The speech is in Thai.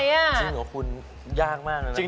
จริงหรอคุณยากมากนะ